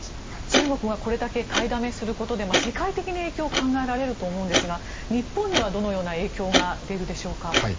中国がこれだけ買いだめすることで世界的に影響が考えられると思うんですが日本にはどのような影響が出るでしょうか。